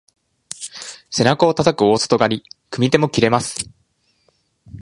背中をたたく大外刈り、組み手も切れます。